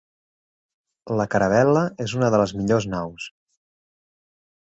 La caravel·la és una de les millors naus.